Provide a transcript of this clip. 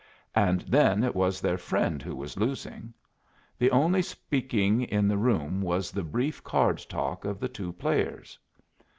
And then it was their friend who was losing. The only speaking in the room was the brief card talk of the two players.